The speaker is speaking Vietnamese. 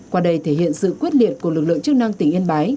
qua đây thể hiện sự quyết liệt của lực lượng chức năng tỉnh yên bái